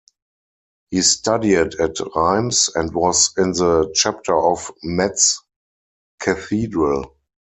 He studied at Reims and was in the chapter of Metz Cathedral.